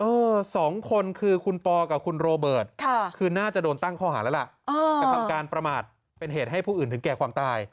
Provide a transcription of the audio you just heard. สองคนคือคุณปอกับคุณโรเบิร์ตคือน่าจะโดนตั้งข้อหาแล้วล่ะกระทำการประมาทเป็นเหตุให้ผู้อื่นถึงแก่ความตาย